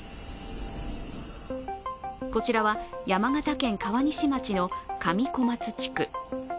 こちらは山形県川西町の上小松地区。